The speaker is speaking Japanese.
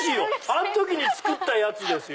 あん時に作ったやつですよ。